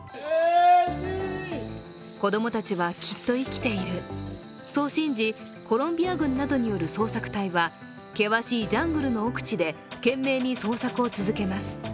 子供たちはきっと生きているそう信じ、コロンビア軍などによる捜索隊は、険しいジャングルの奥地で懸命に捜索を続けます。